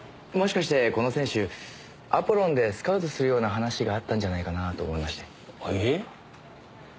もしかしてこの選手アポロンでスカウトするような話があったんじゃないかなと思いまして。